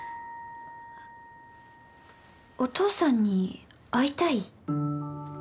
お父さんに会いたい？